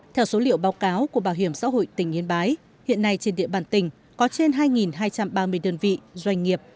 theo số liệu báo cáo của bảo hiểm xã hội tỉnh yên bái hiện nay trên địa bàn tỉnh có trên hai hai trăm ba mươi đơn vị doanh nghiệp